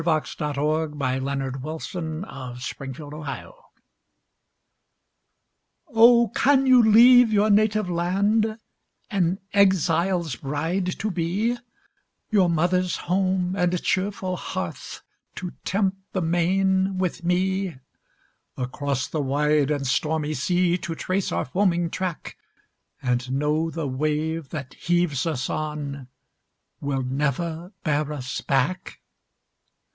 OH! CAN YOU LEAVE YOUR NATIVE LAND? A Canadian Song Oh! can you leave your native land An exile's bride to be; Your mother's home, and cheerful hearth, To tempt the main with me; Across the wide and stormy sea To trace our foaming track, And know the wave that heaves us on Will never bear us back?